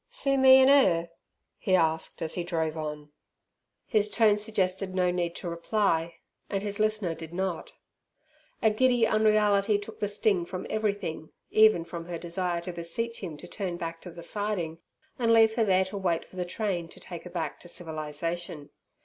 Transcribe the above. "See me an' 'er?" he asked, as he drove on. His tone suggested no need to reply, and his listener did not. A giddy unreality took the sting from everything, even from her desire to beseech him to turn back to the siding, and leave her there to wait for the train to take her back to civilization.